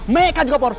mereka juga polos tau